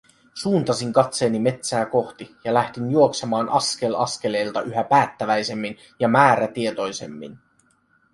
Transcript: Suuntasin katseeni metsää kohti ja lähdin juoksemaan askel askeleelta yhä päättäväisemmin ja määrätietoisemmin.